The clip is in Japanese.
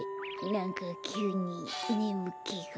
なんかきゅうにねむけが。